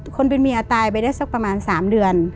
คนเป็นเมียตายไปได้สักประมาณ๓เดือน